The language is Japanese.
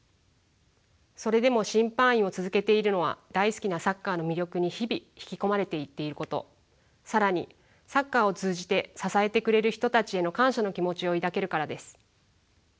それでも審判員を続けているのは大好きなサッカーの魅力に日々引き込まれていっていること更にサッカーを通じて支えてくれる人たちへの感謝の気持ちを抱けるからです。